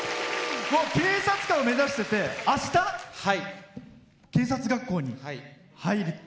警察官を目指しててあした警察学校に入ると。